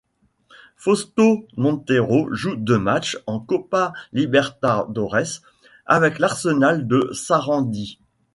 Fausto Montero joue deux matchs en Copa Libertadores avec l'Arsenal de Sarandi.